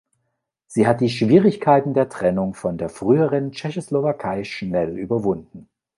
Sie hat die Schwierigkeiten der Trennung von der früheren Tschechoslowakei schnell überwunden.